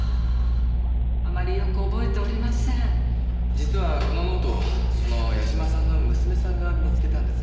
実はこのノートその矢嶋さんの娘さんが見つけたんです。